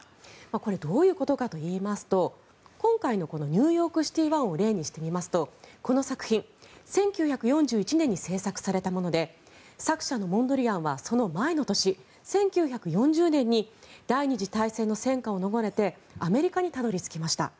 これどういうことかといいますと今回のこの「ニューヨークシティ１」を例にしてみますとこの作品１９４１年に制作されたもので作者のモンドリアンはその前の年、１９４０年に第２次大戦の戦火を逃れてアメリカにたどり着きました。